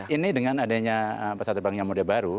ini dengan adanya pesawat terbang yang muda baru